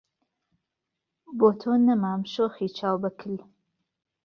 بۆ تۆ نهمام شۆخی چاوبهکل